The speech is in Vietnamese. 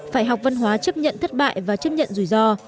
phải học văn hóa chấp nhận thất bại và chấp nhận rủi ro